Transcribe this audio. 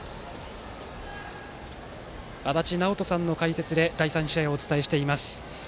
足達尚人さんの解説で第３試合をお伝えしています。